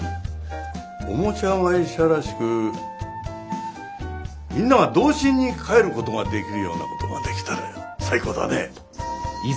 おもちゃ会社らしくみんなが童心に返ることができるようなことができたら最高だね。